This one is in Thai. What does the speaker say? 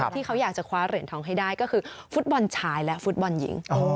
ที่เขาอยากจะคว้าเหรียญทองให้ได้ก็คือฟุตบอลชายและฟุตบอลหญิง